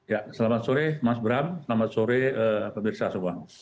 ya selamat sore mas bram selamat sore pemirsa semua